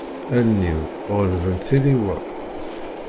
Allen-iw ɣelbent tiliwa.